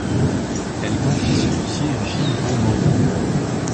Elle confie ce dossier à Gilles Bon-Maury.